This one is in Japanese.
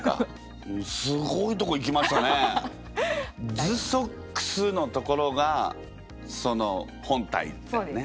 「ズソックス」のところがその本体ですね。